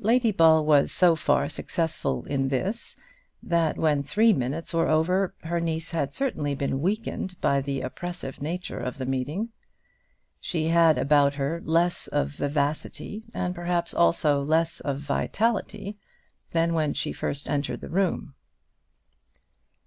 Lady Ball was so far successful in this, that when three minutes were over her niece had certainly been weakened by the oppressive nature of the meeting. She had about her less of vivacity, and perhaps also less of vitality, than when she first entered the room.